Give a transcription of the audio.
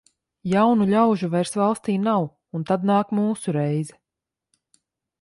Jaunu ļaužu vairs valstī nav, un tad nāk mūsu reize.